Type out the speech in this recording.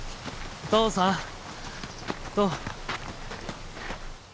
父さん！と。